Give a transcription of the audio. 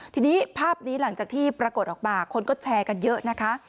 ทีนี้ภาพนี้หลังจากที่ปรากฏออกมาคนก็แชร์กันเยอะนะคะ